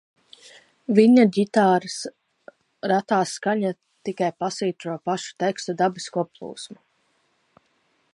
Viņa ģitāras retās skaņas tikai pasvītro pašu tekstu dabisko plūsmu.